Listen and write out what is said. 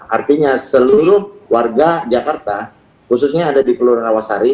artinya seluruh warga jakarta khususnya ada di kelurahan awasari